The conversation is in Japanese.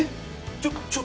ちょっちょっ！